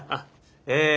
え